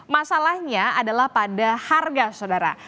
masalahnya adalah pada harga saudara